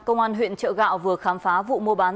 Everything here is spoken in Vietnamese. công an huyện chợ gạo vừa khám phá vụ mua bán